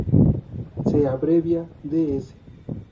Se abrevia ds.